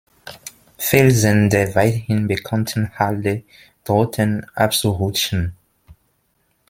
Felsen der weithin bekannten Halde drohten abzurutschen.